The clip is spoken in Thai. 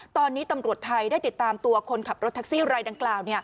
ตอนนี้ตำรวจไทยได้ติดตามตัวคนขับรถทักซี่ในตางคราว